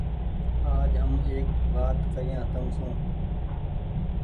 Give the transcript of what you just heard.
آج هم ايڪ وآت ڪريآن تم سون ۔